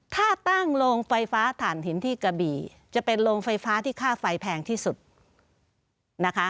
ถ้าตั้งโรงไฟฟ้าถ่านหินที่กระบี่จะเป็นโรงไฟฟ้าที่ค่าไฟแพงที่สุดนะคะ